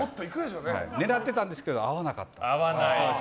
狙ってたんですけど会わなかった。